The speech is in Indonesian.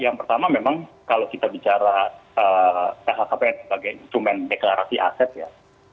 yang pertama memang kalau kita bicara lhkpn sebagai instrumen deklarasi aset ya